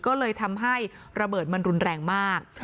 ก็เลยทำให้ระเบิดมันรุนแรงมาก